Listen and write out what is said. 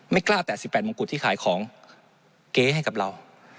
กล้าแตะ๑๘มงกุฎที่ขายของเก๊ให้กับเรา